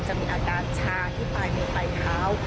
จะมีอาการชาที่สามิวไปเท้า